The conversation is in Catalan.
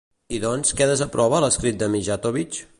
I doncs, què desaprova l'escrit de Mijatović?